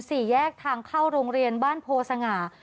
สี่แยกทางเข้าโรงเรียนบ้านโพสง่า